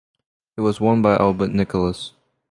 It was won by Albert Nicholas.